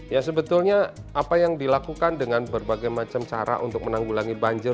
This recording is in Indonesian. ya sebetulnya apa yang dilakukan dengan berbagai macam cara untuk menanggulangi banjir